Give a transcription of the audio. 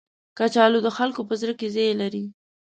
کچالو د خلکو په زړه کې ځای لري